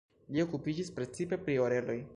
Li okupiĝis precipe pri oreloj.